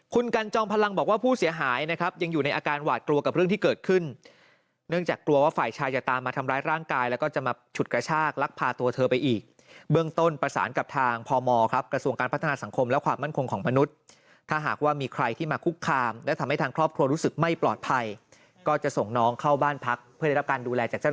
คุณกันจอมพลังบอกว่าผู้เสียหายนะครับยังอยู่ในอาการหวาดกลัวกับเรื่องที่เกิดขึ้นเนื่องจากกลัวว่าฝ่ายชายจะตามมาทำร้ายร่างกายแล้วก็จะมาฉุดกระชากลักพาตัวเธอไปอีกเบื้องต้นประสานกับทางพมครับกระทรวงการพัฒนาสังคมและความมั่นคงของมนุษย์ถ้าหากว่ามีใครที่มาคุกคามและทำให้ทางครอบครัวรู้สึกไม่ปลอดภัยก็จะส่งน้องเข้าบ้านพักเพื่อได้รับการดูแลจากเจ้า